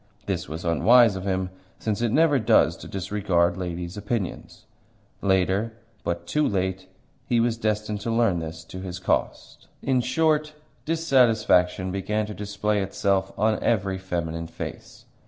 This was unwise of him, since it never does to disregard ladies' opinions. Later but too late he was destined to learn this to his cost. In short, dissatisfaction began to display itself on every feminine face.